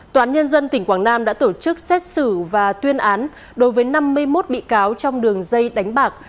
tòa án nhân dân tỉnh quảng nam đã tổ chức xét xử và tuyên án đối với năm mươi một bị cáo trong đường dây đánh bạc